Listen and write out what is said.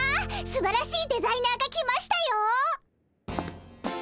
すばらしいデザイナーが来ましたよ。